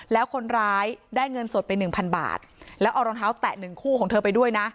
แล้วคนร้ายได้เงินสดไป๑๐๐๐บาทแล้วเอารองเท้าแตะ๑คู่ของเธอไปด้วยนะ